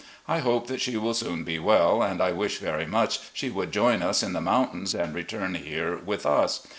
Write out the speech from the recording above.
I hope that she will soon be well, and I wish very much she would join us in the mountains and return here with us.